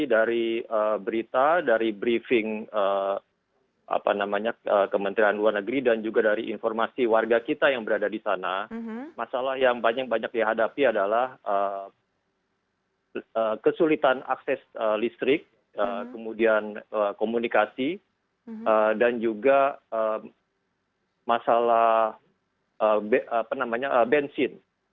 dari berita dari briefing kementerian luar negeri dan juga dari informasi warga kita yang berada di sana masalah yang banyak banyak dihadapi adalah kesulitan akses listrik kemudian komunikasi dan juga masalah bensin